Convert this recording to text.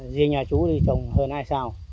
giêng nhà chú thì trồng hơn hai sào